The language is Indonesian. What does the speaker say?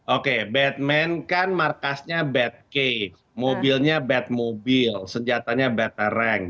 oke batman kan markasnya batcave mobilnya batmobile senjatanya batarang